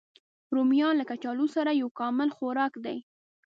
رومیان له کچالو سره یو کامل خوراک دی